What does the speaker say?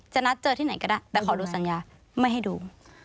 นัดเจอที่ไหนก็ได้แต่ขอดูสัญญาไม่ให้ดู